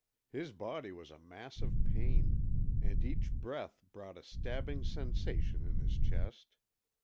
His body was a mass of pain, and each breath brought a stabbing sensation in his chest.